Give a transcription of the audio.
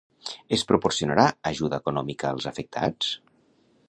Es proporcionarà ajuda econòmica als afectats?